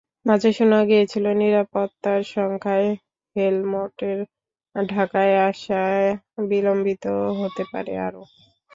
মাঝে শোনা গিয়েছিল, নিরাপত্তার শঙ্কায় হেলমটের ঢাকায় আসা বিলম্বিত হতে পারে আরও।